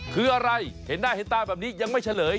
คืออะไรเห็นหน้าเห็นตาแบบนี้ยังไม่เฉลย